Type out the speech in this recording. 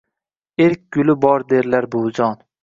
— Erk guli bor, derlar, buvijon